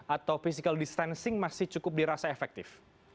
atau physical distancing masih cukup dirasa efektif